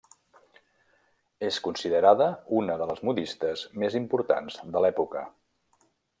És considerada una de les modistes més importants de l'època.